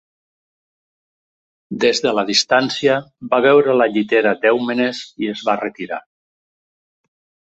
Des de la distància va veure la llitera d'Èumenes i es va retirar.